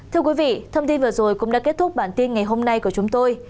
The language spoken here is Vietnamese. thưa quý vị thông tin vừa rồi cũng đã kết thúc bản tin ngày hôm nay của chúng tôi